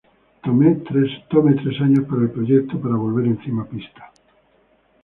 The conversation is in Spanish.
Tome tres años para el proyecto para volver encima pista.